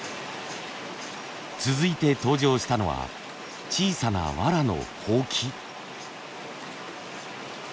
続いて登場したのは小さなわらのほうき。